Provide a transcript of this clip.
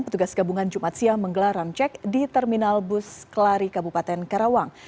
petugas gabungan jumat siang menggelar ramcek di terminal bus kelari kabupaten karawang